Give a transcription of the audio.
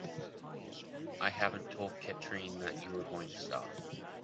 I haven’t told Katrine that you’re going to stop.